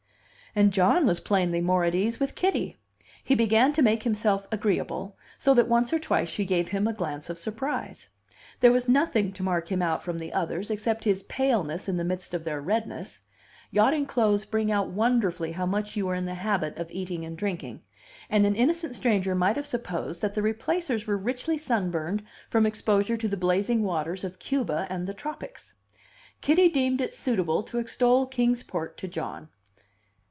And John was plainly more at ease with Kitty! He began to make himself agreeable, so that once or twice she gave him a glance of surprise. There was nothing to mark him out from the others, except his paleness in the midst of their redness. Yachting clothes bring out wonderfully how much you are in the habit of eating and drinking; and an innocent stranger might have supposed that the Replacers were richly sunburned from exposure to the blazing waters of Cuba and the tropics. Kitty deemed it suitable to extol Kings Port to John.